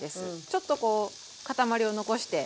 ちょっとこう塊を残して。